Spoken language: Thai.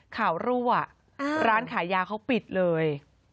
รั่วร้านขายยาเขาปิดเลย